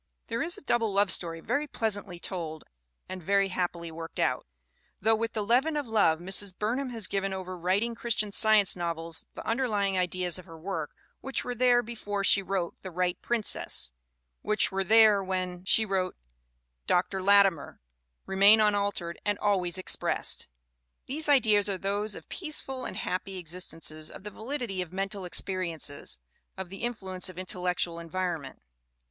There is a double love story very pleasantly told and very happily worked out. Though with The Leaven of Love Mrs. Burnham has given over writing Christian Science novels the underlying ideas of her work, which were there before she wrote The Right Princess, which were there when 278 THE WOMEN WHO MAKE OUR NOVELS she wrote Dr. Latimer, remain unaltered and always expressed. These ideas are those of peaceful and happy existences, of the validity of mental experiences, of the influence of intellectual environment.